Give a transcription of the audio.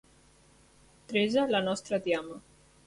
Teresa, la nostra tiama.